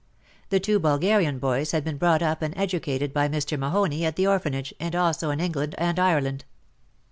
The two Bulgarian boys had been brought up and educated by Mr. Mahoney at the orphanage, and also in England and Ireland.